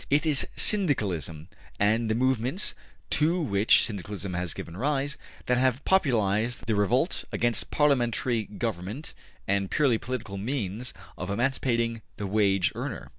It is Syndicalism, and the movements to which Syndicalism has given rise, that have popularized the revolt against parliamentary government and purely political means of emancipating the wage earner.